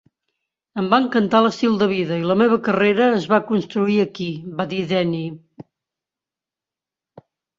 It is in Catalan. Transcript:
"Em va encantar l'estil de vida i la meva carrera es va construir aquí", va dir Denny.